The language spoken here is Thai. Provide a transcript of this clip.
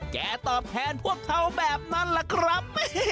ตอบแทนพวกเขาแบบนั้นล่ะครับ